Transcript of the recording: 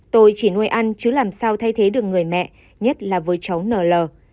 tôi chỉ nuôi ăn chứ làm sao thay thế được người mẹ nhất là với cháu n l